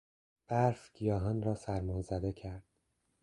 برف گیاهان را سرمازده کرد.